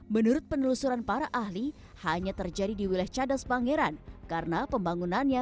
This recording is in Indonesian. menurut penelusuran para ahli hanya terjadi di wilayah cadas pangeran karena pembangunannya